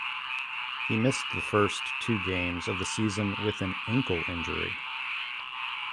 He missed the first two games of the season with an ankle injury.